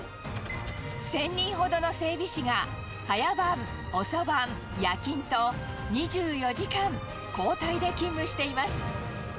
１０００人ほどの整備士が早番、遅番、夜勤と２４時間、交代で勤務しています。